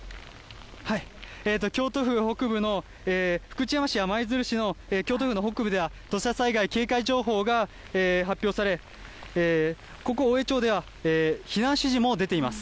京都府北部の福知山市や舞鶴市の京都府の北部では、土砂災害警戒情報が発表され、ここ大江町では、避難指示も出ています。